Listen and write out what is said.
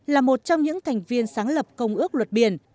là một trong những thành viên sáng lập công ước luật biển